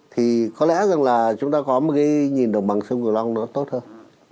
thì có lẽ rằng là chúng ta có một cái nhìn đồng bằng sông cửu long nó tốt hơn